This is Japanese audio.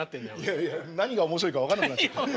いやいや何が面白いか分かんなくなっちゃって。